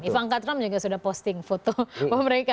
ivanka trump juga sudah posting foto bahwa mereka